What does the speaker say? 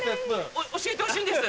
教えてほしいんです。